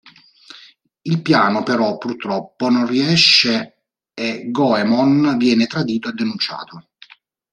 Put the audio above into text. Il piano però purtroppo non riesce e Goemon viene tradito e denunciato.